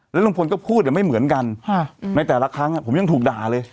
ลุงพลก็พูดไม่เหมือนกันในแต่ละครั้งผมยังถูกด่าเลย